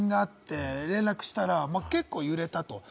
朝、地震があって、連絡したら結構揺れたと。